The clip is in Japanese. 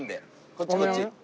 こっちこっち。